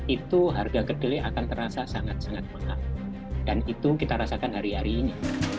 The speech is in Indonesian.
itu harga kedelai akan terasa sangat sangat mahal dan itu kita rasakan hari hari ini